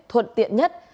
thuận tiện nhất